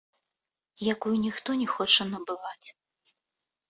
Якую ніхто не хоча набываць.